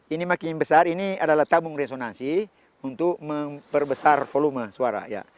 ini makin besar ini adalah tabung resonasi untuk memperbesar volume suara